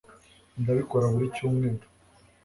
ndabikora buri cyumweru